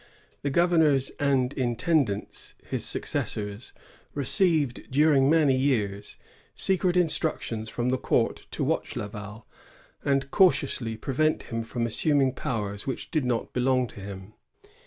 The governors and intendants, his successors, received, during many years, secret instructions from the court to watch Laval, and cautiously prevent him from assuming powers which did not belong to him.